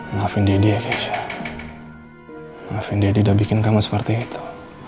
maafin deddy ya keisha maafin deddy udah bikin kamu seperti itu